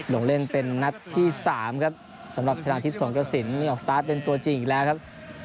ลงเล่นเป็นนัดที่๓ครับสำหรับชนะทิพย์สงกระสินออกสตาร์ทเป็นตัวจริงอีกแล้วครับ